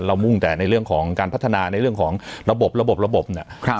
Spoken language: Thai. มุ่งแต่ในเรื่องของการพัฒนาในเรื่องของระบบระบบระบบระบบเนี่ย